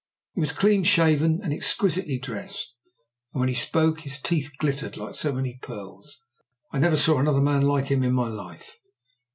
He was clean shaven and exquisitely dressed, and when he spoke, his teeth glittered like so many pearls. I never saw another man like him in my life."